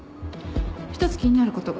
１つ気になることが。